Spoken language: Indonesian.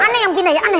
aneh yang pindahin aneh